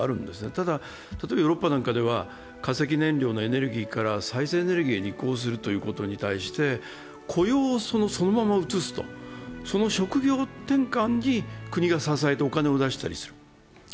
ただ、ヨーロッパなんかでは化石燃料のエネルギーから再生エネルギーに移行するということに対して雇用をそのまま移す、その職業転換を国が支えてお金を出したりする。